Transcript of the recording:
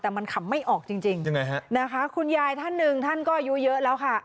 แต่มันขำไม่ออกจริงจริงยังไงฮะนะคะคุณยายท่านหนึ่งท่านก็อายุเยอะแล้วค่ะ